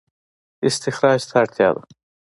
استخراج ته اړتیا ده